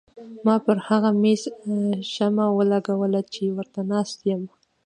ما پر هغه مېز شمه ولګوله چې ورته ناسته یم.